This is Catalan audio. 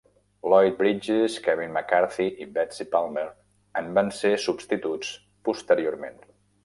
Lloyd Bridges, Kevin McCarthy i Betsy Palmer en van ser substituts posteriorment.